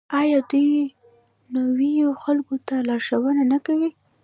آیا دوی نویو خلکو ته لارښوونه نه کوي؟